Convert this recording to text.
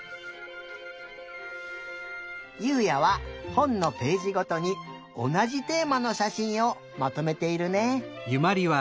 ゆうやはほんのページごとにおなじテーマのしゃしんをまとめているね。